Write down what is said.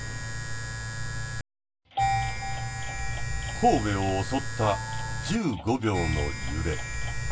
神戸を襲った１５秒の揺れ。